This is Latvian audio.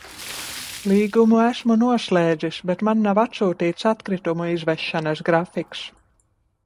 Līgumu esmu noslēdzis, bet man nav atsūtīts atkritumu izvešanas grafiks.